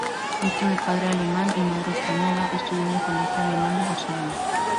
Hijo de padre alemán y madre española, estudió en el Colegio Alemán de Barcelona.